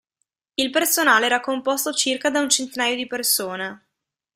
Il personale era composto circa da un centinaio di persone.